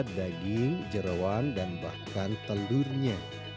daging jerawan dan bahkan telurnya